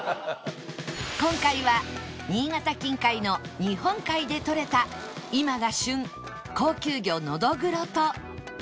今回は新潟近海の日本海でとれた今が旬高級魚のどぐろと